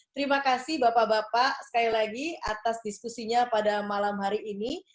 terima kasih bapak bapak sekali lagi atas diskusinya pada malam hari ini